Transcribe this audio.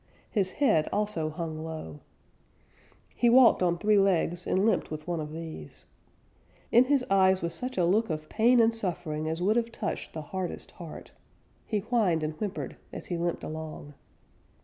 His head also hung low. He walked on three legs and limped with one of these. In his eyes was such a look of pain and suffering as would have touched the hardest heart. He whined and whimpered as he limped along.